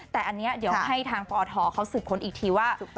แต่อันนี้เดี๋ยวให้ทางปอทเขาสืบค้นอีกทีว่า